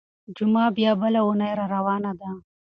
جمعه بيا بله اونۍ راروانه ده.